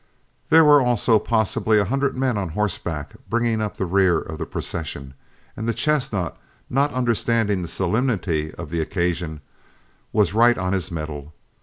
There were also possibly a hundred men on horseback bringing up the rear of the procession; and the chestnut, not understanding the solemnity of the occasion, was right on his mettle.